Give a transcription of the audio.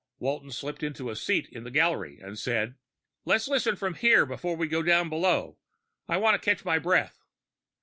Walton slipped into a seat in the gallery and said, "Let's listen from here before we go down below. I want to catch my breath."